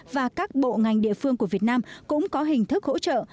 và các bộ ngành địa phương của việt nam cũng có hình thức hỗ trợ